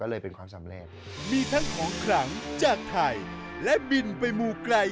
เลยเป็นความสำเร็จมีทั้งของขลังจากไทยและบินไปมูไกล